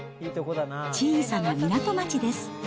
小さな港町です。